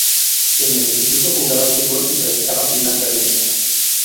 En el instituto jugaba al fútbol y practicaba gimnasia rítmica.